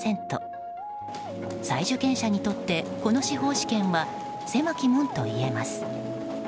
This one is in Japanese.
再受験者にとってこの司法試験は狭き門と言えます。